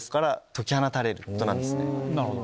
なるほど。